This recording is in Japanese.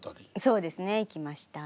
そうですね行きました。